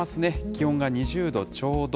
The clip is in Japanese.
気温が２０度ちょうど。